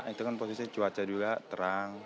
itu kan posisi cuaca juga terang